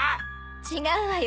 違うわよ！